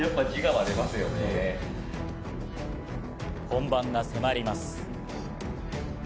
本番が迫ります。